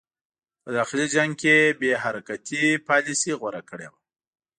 په داخلي جنګ کې یې بې حرکتي پالیسي غوره کړې وه.